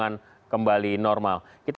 apakah itu akan menjadi penutupan